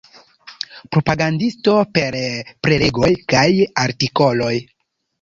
Propagandisto per prelegoj kaj artikoloj.